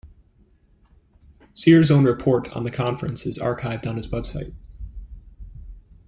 Sierz's own report on the conference is archived on his website.